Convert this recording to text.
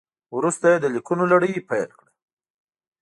وروسته یې د لیکونو لړۍ پیل کړه.